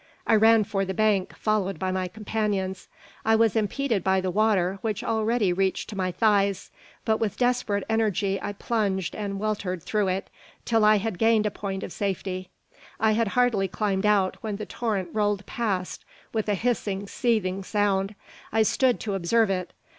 I ran for the bank, followed by my companions. I was impeded by the water, which already reached to my thighs; but with desperate energy I plunged and weltered through it, till I had gained a point of safety. I had hardly climbed out when the torrent rolled past with a hissing, seething sound. I stood to observe it.